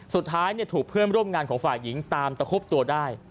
สุดท้ายถูกเพื่อนร่วมงานของฝ่ายหญิงตามตะคุบตัวได้